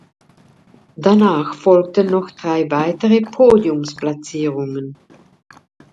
Danach folgten noch drei weitere Podiumsplatzierungen.